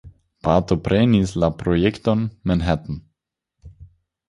Partoprenis la projekton Manhattan.